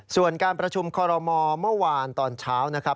ส่วนการประชุมคอลโลมอล์เมื่อวานตอนเช้า